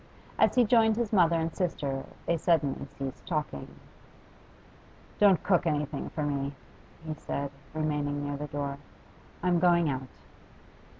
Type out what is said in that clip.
As he joined his mother and sister they suddenly ceased talking. 'Don't cook anything for me,' he said, remaining near the door. 'I'm going out.